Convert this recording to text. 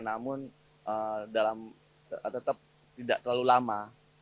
namun tetap tidak terlalu lama